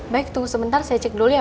baik tunggu sebentar saya cek dulu ya